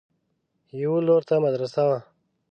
يوه لور ته مدرسه وه.